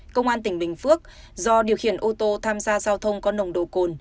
công an tỉnh bình phước do điều khiển ô tô tham gia giao thông có nồng độ cồn